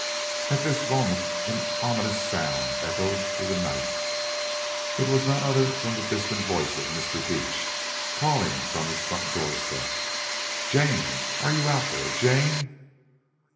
At this moment an ominous sound echoed through the night; it was none other than the distant voice of Mr. Beach, calling from his front door step, "Jane! Are you out there, Jane?"